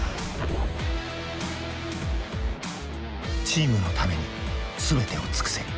チームのために全てを尽くせ。